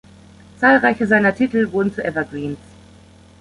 Zahlreiche seiner Titel wurden zu Evergreens.